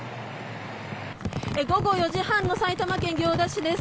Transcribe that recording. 午後４時半の埼玉県行田市です。